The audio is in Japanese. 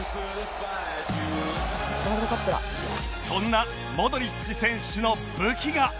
そんなモドリッチ選手の武器が